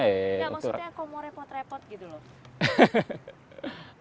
enggak maksudnya kamu mau repot repot gitu loh